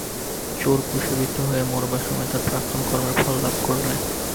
চোর ক্রুশে বিদ্ধ হয়ে মরবার সময় তার প্রাক্তন-কর্মের ফল লাভ করলে।